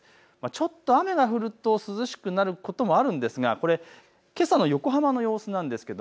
ちょっと雨が降ると涼しくなることもあるんですがこれはけさの横浜の様子です。